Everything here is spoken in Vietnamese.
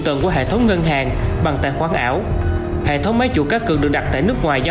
tầng của hệ thống ngân hàng bằng tài khoản ảo hệ thống máy chủ các cực được đặt tại nước ngoài do